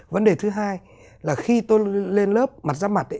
vấn đề thứ hai là khi tôi lên lớp mặt ra mặt